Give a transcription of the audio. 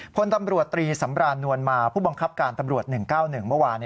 พลตำรวจตรีสำรานนวลมาผู้บังคับการตำรวจ๑๙๑เมื่อวาน